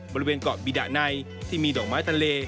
บริเวณเกาะบิดะในที่มีดอกไม้ทะเล